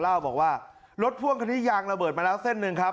เล่าบอกว่ารถพ่วงคันนี้ยางระเบิดมาแล้วเส้นหนึ่งครับ